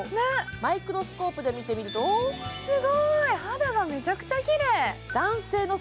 マイクロスコープで見てみるとすごーい、肌がめちゃくちゃきれい。